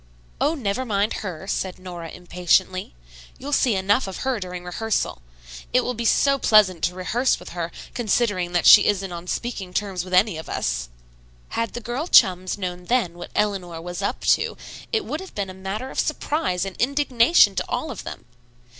"Oh, never mind her," said Nora impatiently. "You'll see enough of her during rehearsal. It will be so pleasant to rehearse with her, considering that she isn't on speaking terms with any of us." Had the girl chums known then what Eleanor "was up to," it would have been a matter of surprise and indignation to all of them.